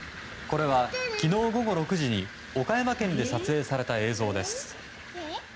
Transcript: これは昨日午後６時に岡山県で撮影された映像です。